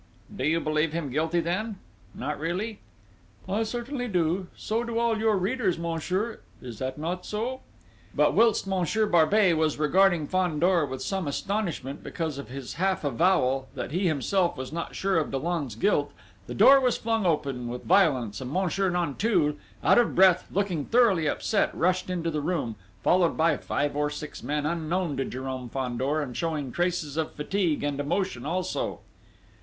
"Do you believe him guilty then?... Not really?" "I certainly do!... So do all your readers, monsieur. Is that not so?" But, whilst Monsieur Barbey was regarding Fandor with some astonishment because of his half avowal, that he himself was not sure of Dollon's guilt, the door was flung open with violence, and Monsieur Nanteuil, out of breath, looking thoroughly upset, rushed into the room, followed by five or six men unknown to Jérôme Fandor, and showing traces of fatigue and emotion also.